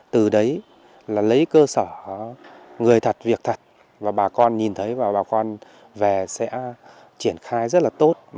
từ đấy là lấy cơ sở người thật việc thật và bà con nhìn thấy và bà con về sẽ triển khai rất là tốt